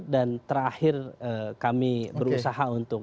dan terakhir kami berusaha untuk